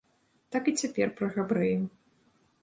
Так і цяпер пра габрэяў.